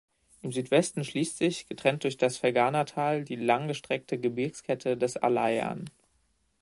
Im Südwesten schließt sich, getrennt durch das Ferghanatal, die langgestreckte Gebirgskette des Alai an.